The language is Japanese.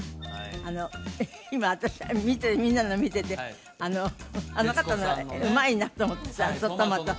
あの今私はみんなの見ててあの方の絵うまいなと思ってさトマト